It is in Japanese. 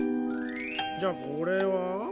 じゃこれは？